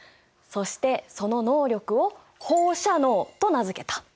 そしてその能力を放射能と名付けた。